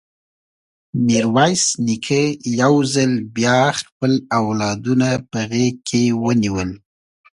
ميرويس نيکه يو ځل بيا خپل اولادونه په غېږ کې ونيول.